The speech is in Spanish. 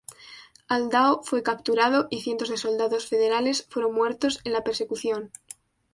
Aldao fue capturado, y cientos de soldados federales fueron muertos en la persecución.